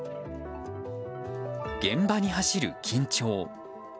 現場に走る緊張。